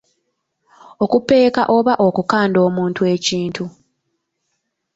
Okupeeka oba okukanda omuntu ekintu.